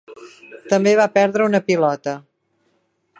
També va perdre una pilota.